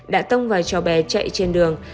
đã tông vào trò bé chạy trên đường